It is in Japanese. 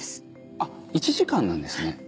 あっ１時間なんですね。